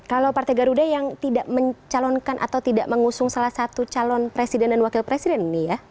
kalau partai garuda yang tidak mencalonkan atau tidak mengusung salah satu calon presiden dan wakil presiden nih ya